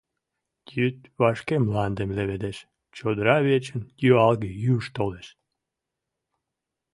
...Йӱд вашке мландым леведеш, чодыра вечын юалге юж толеш.